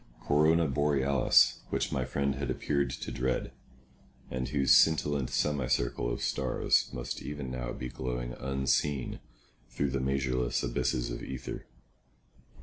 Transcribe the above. Corona Borealis, which my friend had appeared to dread, and whose scintillant semicircle of stars must even now be glowing unseen through the measureless abysses of aether.